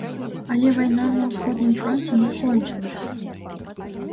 Але вайна на ўсходнім фронце не скончылася.